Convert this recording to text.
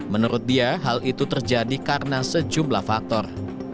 menurut dia hal itu terjadi karena sejumlah faktor